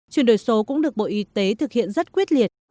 chuyển đổi số cũng được bộ y tế thực hiện rất quyết liệt